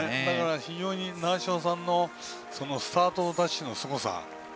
非常に習志野さんのスタートダッシュのすごさ。